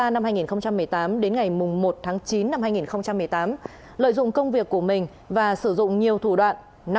năm hai nghìn một mươi tám đến ngày một tháng chín năm hai nghìn một mươi tám lợi dụng công việc của mình và sử dụng nhiều thủ đoạn